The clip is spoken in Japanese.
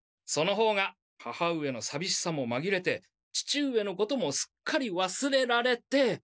その方が母上のさびしさもまぎれて父上のこともすっかりわすれられて。